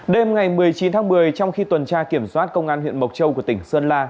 đêm ngày một mươi chín tháng một mươi trong khi tuần tra kiểm soát công an huyện mộc châu của tỉnh sơn la